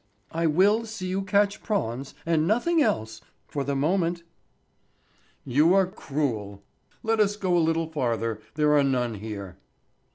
"I will see you catch prawns—and nothing else—for the moment." "You are cruel—let us go a little farther, there are none here."